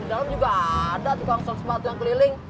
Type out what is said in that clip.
di dalam juga ada tukang sepatu yang keliling